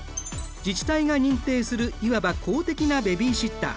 自治体が認定するいわば公的なベビーシッター。